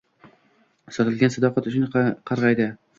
Sotilgan sadoqat uchun qargaydi